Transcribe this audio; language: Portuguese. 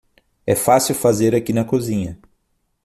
É fácil fazer aqui na cozinha.